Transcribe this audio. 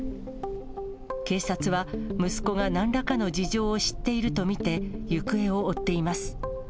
警察は、息子がなんらかの事情を知っていると見て、行方を追っています。